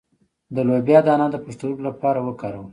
د لوبیا دانه د پښتورګو لپاره وکاروئ